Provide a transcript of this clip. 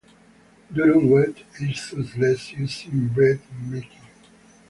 Durum wheat is thus less used in breadmaking.